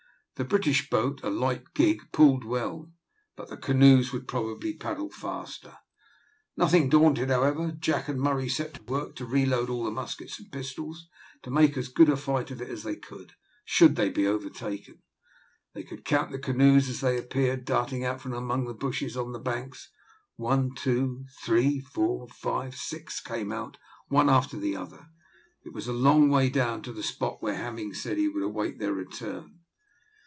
The British boat, a light gig, pulled well, but the canoes would probably paddle faster. Nothing daunted, however, Jack and Murray set to work to reload all the muskets and pistols, to make as good a fight of it as they could, should they be overtaken. They could count the canoes as they appeared darting out from among the bushes on the banks one, two, three, four, five, six, came out one after the other. It was a long way down to the spot where Hemming had said he would await their return.